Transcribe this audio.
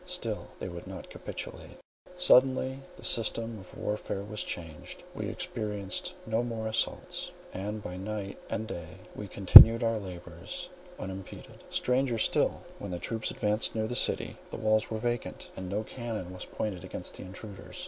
Still they would not capitulate. Suddenly the system of warfare was changed. We experienced no more assaults; and by night and day we continued our labours unimpeded. Stranger still, when the troops advanced near the city, the walls were vacant, and no cannon was pointed against the intruders.